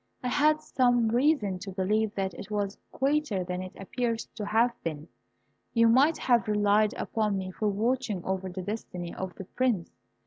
I had some reason to believe that it was greater than it appears to have been. You might have relied upon me for watching over the destiny of the Prince.